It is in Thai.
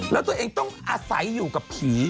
แล้วตัวเองต้องอาศัยอยู่กับผี